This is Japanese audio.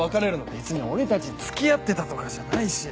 別に俺たち付き合ってたとかじゃないし。